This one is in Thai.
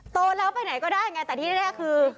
โตแล้วไปไหนก็ได้ไงแต่ที่แน่คือ